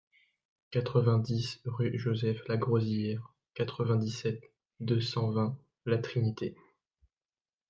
quatre-vingt-dix rue Joseph Lagrosilliere, quatre-vingt-dix-sept, deux cent vingt, La Trinité